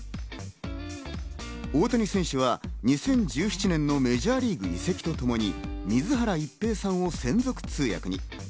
大谷選手は２０１７年のメジャーリーグ移籍とともに水原一平さんを専属通訳に。